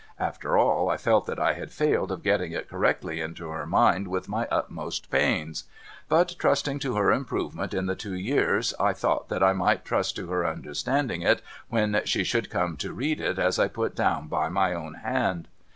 After all, I felt that I had failed of getting it correctly into her mind, with my utmost pains. But trusting to her improvement in the two years, I thought that I might trust to her understanding it when she should come to read it as put down by my own hand.